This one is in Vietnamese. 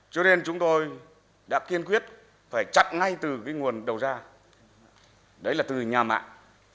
cho nên chúng tôi đã kiên quyết phải chặn ngay từ cái nguồn đầu ra đấy là từ nhà mạng